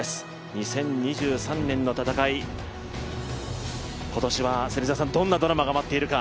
２０２３年の戦い、今年はどんなドラマが待っているか。